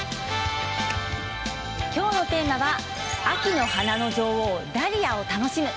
きょうのテーマは秋の花の女王ダリアを楽しむ。